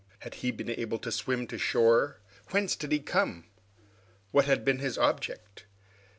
Had he been able to swim to shore? Whence did he come? What had been his object?